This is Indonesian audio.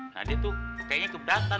nah dia tuh kayaknya keberatan